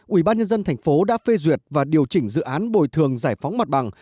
ủy ban nhân dân tp đã phê duyệt và điều chỉnh dự án bồi thường giải phóng mặt bằng